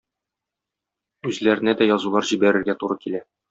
Үзләренә дә язулар җибәрергә туры килә.